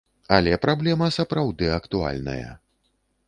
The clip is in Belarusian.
Але праблема сапраўды актуальная.